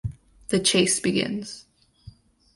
The chase begins.